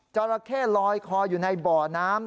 จราเข้ลอยคออยู่ในบ่อน้ำ